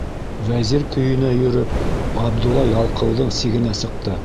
Вәзир көйөнә йөрөп, Ғабдулла ялҡыуҙың сигенә сыҡты.